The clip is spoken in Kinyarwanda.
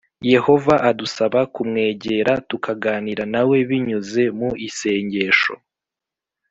Yehova adusaba kumwegera, tukaganira na we binyuze mu isengesho